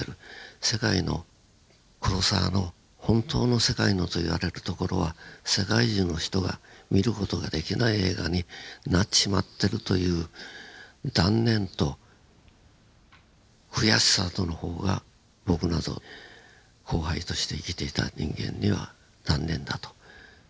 「世界のクロサワ」の本当の「世界の」と言われるところは世界中の人が見る事ができない映画になっちまってるという断念と悔しさとの方が僕など後輩として生きていた人間には残念だと。